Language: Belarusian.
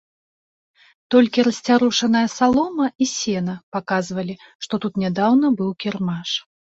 Толькі расцярушаная салома і сена паказвалі, што тут нядаўна быў кірмаш.